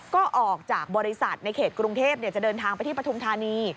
ก็ออกจากบริษัทในเขตกรุงเทพจะเดินทางไปที่ปฐุมธานี